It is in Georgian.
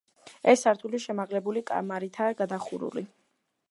ეს სართული შემაღლებული კამარითაა გადახურული.